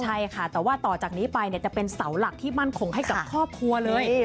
ใช่ค่ะแต่ว่าต่อจากนี้ไปจะเป็นสาวหลักที่มั่นคงให้ความความรับเป็นครอบครัว